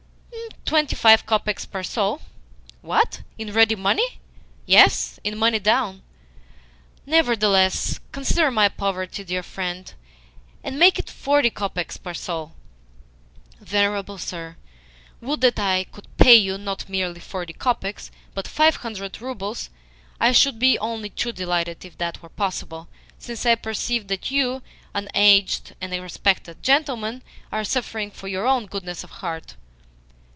"Twenty five kopecks per soul." "What? In ready money?" "Yes in money down." "Nevertheless, consider my poverty, dear friend, and make it FORTY kopecks per soul." "Venerable sir, would that I could pay you not merely forty kopecks, but five hundred roubles. I should be only too delighted if that were possible, since I perceive that you, an aged and respected gentleman, are suffering for your own goodness of heart."